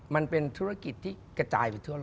มันเป็นธุรกิจที่กระจายไปทั่วโลก